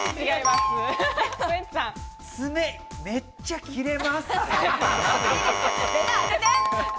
爪めっちゃ切れまっせ。